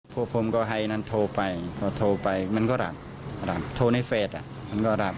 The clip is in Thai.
พ่อผมก็ให้ไอนั้นโทรไปมันก็รับโทรไพสมันก็รับ